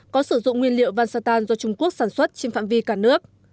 có sử dụng nguyên liệu vansatan do trung quốc sản xuất trên phạm vi cả nước